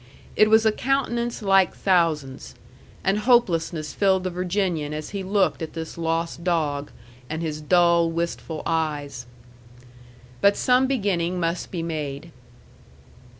It was a countenance like thousands; and hopelessness filled the Virginian as he looked at this lost dog, and his dull, wistful eyes. But some beginning must be made.